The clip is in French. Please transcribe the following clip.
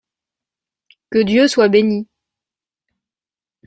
Que Dieu soit bénit !